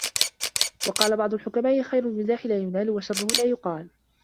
وَقَالَ بَعْضُ الْحُكَمَاءِ خَيْرُ الْمِزَاحِ لَا يُنَالُ ، وَشَرُّهُ لَا يُقَالُ